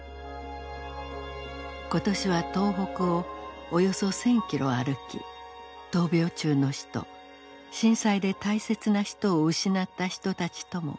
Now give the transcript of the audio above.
今年は東北をおよそ１，０００キロ歩き闘病中の人震災で大切な人を失った人たちとも語らいました。